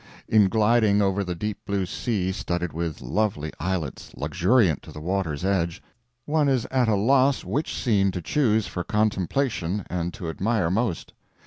In gliding over the deep blue sea studded with lovely islets luxuriant to the water's edge, one is at a loss which scene to choose for contemplation and to admire most.